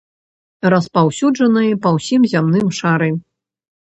Распаўсюджаныя па ўсім зямным шары.